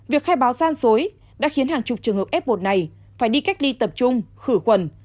việc khai báo gian dối đã khiến hàng chục trường hợp f một này phải đi cách ly tập trung khử khuẩn